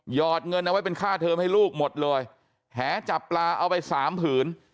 อดเงินเอาไว้เป็นค่าเทิมให้ลูกหมดเลยแหจับปลาเอาไปสามผืน